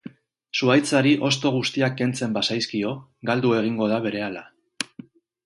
Zuhaitzari hosto guztiak kentzen bazaizkio, galdu egingo da berehala.